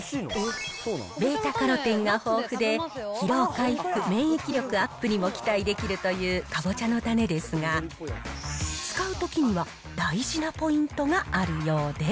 βカロテンが豊富で、疲労回復、免疫力アップにも期待できるという、かぼちゃの種ですが、使うときには、大事なポイントがあるようで。